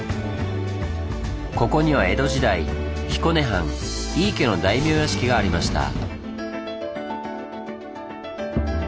ここには江戸時代彦根藩井伊家の大名屋敷がありました。